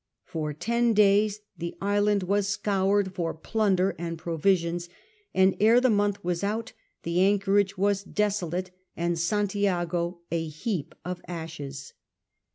For ten days the island was scoured for plunder and provisions, and ere the month was out the anchorage was desolate and Santiago a heap of ashes.